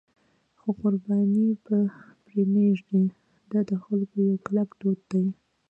خو قرباني به پرې نه ږدي، دا د خلکو یو کلک دود دی.